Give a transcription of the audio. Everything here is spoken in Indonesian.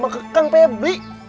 mau kekang febri